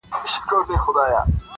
• کهيېتخمونهدګناهدلتهکرليبيانو..